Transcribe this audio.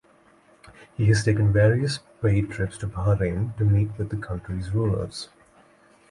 He has taken various paid trips to Bahrain to meet with that country's rulers.